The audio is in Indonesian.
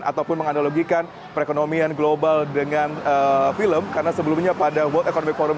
ataupun menganalogikan perekonomian global dengan film karena sebelumnya pada world economic forum